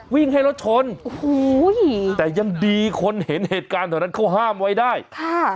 วิ่งให้รถชนโอ้โหแต่ยังดีคนเห็นเหตุการณ์เท่านั้นเขาห้ามไว้ได้ค่ะ